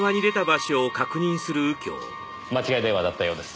間違い電話だったようです。